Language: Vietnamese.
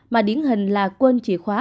mà điển hình là quên chìa khóa